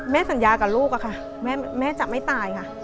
สัญญากับลูกอะค่ะแม่จะไม่ตายค่ะ